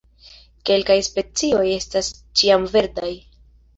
Kelkaj specioj estas ĉiamverdaj.